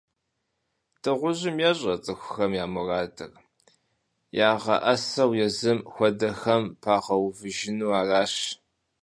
Дыгъужьым ещӀэ цӀыхухэм я мурадыр - ягъэӀэсэу езым хуэдэхэм пагъэувыжыну аращ.